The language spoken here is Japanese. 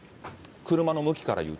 車の向きからいうと。